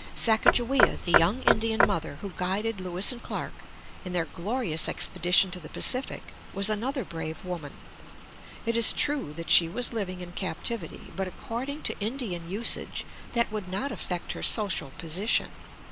Sacajawea, the young Indian mother who guided Lewis and Clark in their glorious expedition to the Pacific, was another brave woman. It is true that she was living in captivity, but according to Indian usage that would not affect her social position.